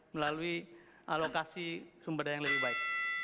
melalui alokasi sumber daya yang lebih baik